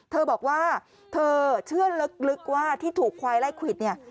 เธอบอกว่าเธอเชื่อลึกว่าที่ถูกควายไล่ควิดเนี่ย